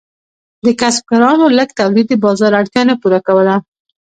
د کسبګرانو لږ تولید د بازار اړتیا نه پوره کوله.